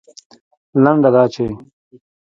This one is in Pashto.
لنډه دا چې